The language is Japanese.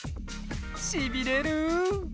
しびれる！